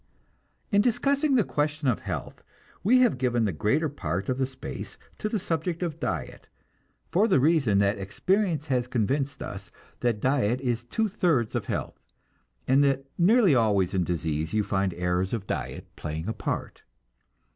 In discussing the question of health, we have given the greater part of the space to the subject of diet, for the reason that experience has convinced us that diet is two thirds of health, and that nearly always in disease you find errors of diet playing a part.